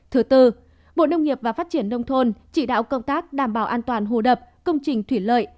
thứ tư bộ nông nghiệp và phát triển nông thôn chỉ đạo công tác đảm bảo an toàn hồ đập công trình thủy lợi